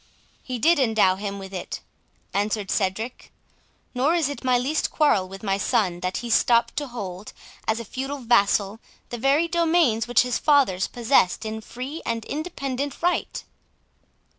"He did endow him with it," answered Cedric; "nor is it my least quarrel with my son, that he stooped to hold, as a feudal vassal, the very domains which his fathers possessed in free and independent right."